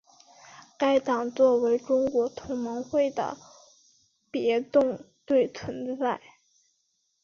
该党作为中国同盟会的别动队存在。